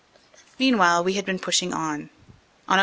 Meanwhile we had been pushing on. On Oct.